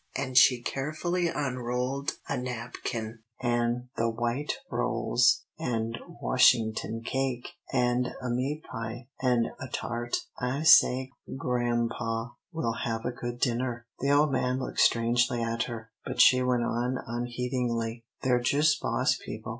and she carefully unrolled a napkin, "an' the white rolls, an' Washington cake, an' a meat pie, an' a tart I say, grampa, we'll have a good dinner!" The old man looked strangely at her, but she went on unheedingly: "They're jus' boss people.